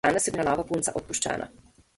Danes je bila nova punca odpuščena.